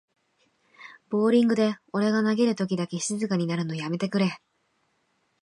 ボーリングで俺が投げるときだけ静かになるのやめてくれ